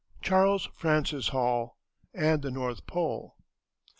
CHARLES FRANCIS HALL, AND THE NORTH POLE.